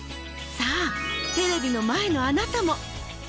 さぁテレビの前のあなたもＱ